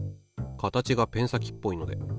形がペン先っぽいので。